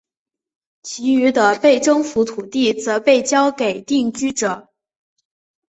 其余的被征服土地则被交给定居者。